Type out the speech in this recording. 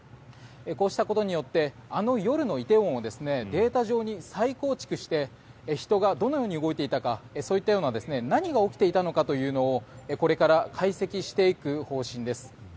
こうしたことによってあの夜の梨泰院をデータ上に再構築して人がどのように動いていたかそういったような何が起きていたのかというのをこれから解析していく方針です。